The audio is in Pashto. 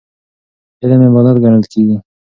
علم عبادت ګڼل کېږي.